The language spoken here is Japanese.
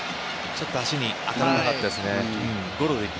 ちょっと足に当たらなかったですね。